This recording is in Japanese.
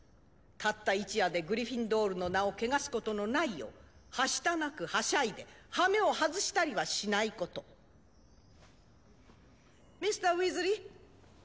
たった一夜でグリフィンドールの名を汚すことのないようはしたなくはしゃいで羽目を外したりはしないことミスターウィーズリーはい？